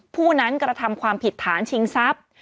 ผู้นั้นกระทำความผิดฐานชิงทรัพย์